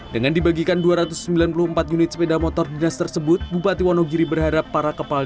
dengan dibagikan dua ratus sembilan puluh empat unit sepeda motor dinas tersebut bupati wonogiri berharap para kepala